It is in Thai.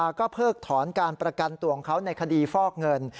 ก็เพิกถอนการประกันตัวของเขาในคดีฟอกเงิน